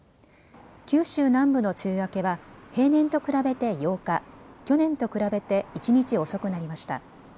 九州南部の梅雨明けは平年と比べて８日、去年と比べて１日遅くなりました。